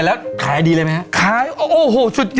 อยากมีอีกสิ